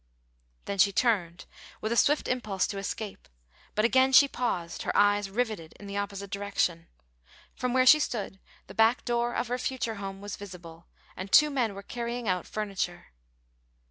Then she turned, with a swift impulse to escape, but again she paused, her eyes riveted in the opposite direction. From where she stood the back door of her future home was visible, and two men were carrying out furniture.